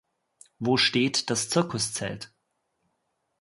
Wo steht das Zirkuszelt?